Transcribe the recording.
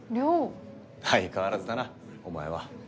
相変わらずだなお前は。